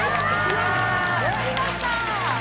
・やりました